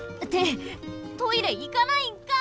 トイレいかないんかい！